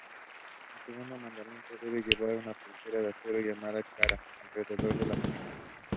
His earliest works were in English and concerned with the Glorious Revolution.